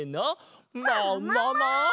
ももも！